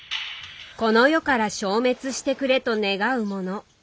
この世から消滅してくれと願うもの。